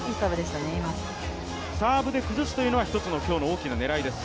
サーブで崩すというのが今日の一つの大きな狙いです。